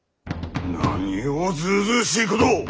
何をずうずうしいことを！